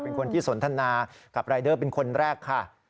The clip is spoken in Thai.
เป็นคนที่สนทนากับรายเดอร์เป็นคนแรกค่ะ